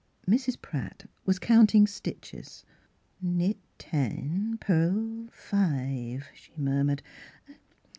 " Mrs. Pratt was counting stiches. " Knit ten ; purl five," she murmured.